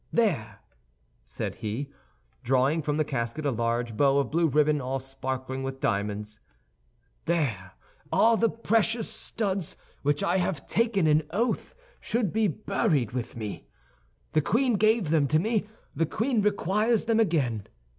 "There," said he, drawing from the casket a large bow of blue ribbon all sparkling with diamonds, "there are the precious studs which I have taken an oath should be buried with me. The queen gave them to me, the queen requires them again.